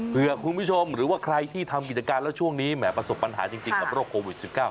เพื่อคุณผู้ชมหรือว่าใครที่ทำกิจการแล้วช่วงนี้แหมประสบปัญหาจริงกับโรคโควิด๑๙